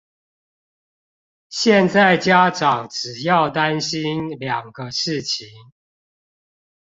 現在家長只要擔心兩個事情